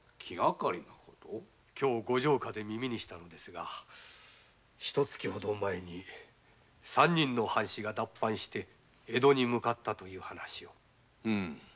ご城下で耳にしたのですがひと月ほど前に三人の藩士が脱藩して江戸に向かったという話を。